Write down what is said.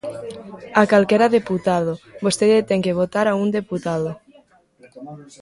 A calquera deputado, vostede ten que votar a un deputado.